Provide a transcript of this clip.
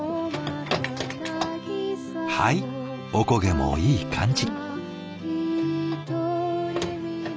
はいお焦げもいい感じ。